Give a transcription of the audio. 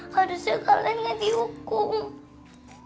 harusnya kalian yang dihukum